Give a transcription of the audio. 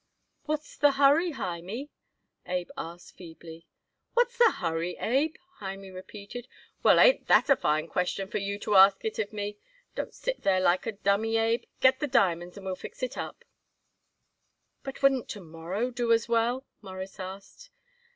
"What's the hurry, Hymie?" Abe asked feebly. "What's the hurry, Abe!" Hymie repeated. "Well, ain't that a fine question for you to ask it of me! Don't sit there like a dummy, Abe. Get the diamonds and we'll fix it up." "But wouldn't to morrow do as well?" Morris asked.